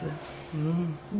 うん。